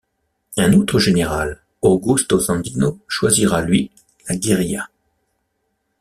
Un autre général Augusto Sandino choisira lui, la guérilla.